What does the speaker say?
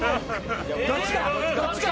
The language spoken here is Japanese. どっちか！